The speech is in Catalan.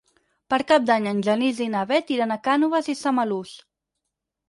Per Cap d'Any en Genís i na Bet iran a Cànoves i Samalús.